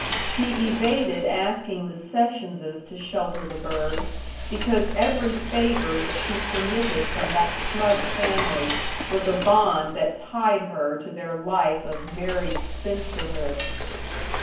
She evaded asking the Sessionses to shelter the bird, because every favor that she permitted from that smug family was a bond that tied her to their life of married spinsterhood.